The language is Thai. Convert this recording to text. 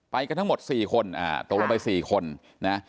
กันทั้งหมด๔คนตกลงไป๔คนนะ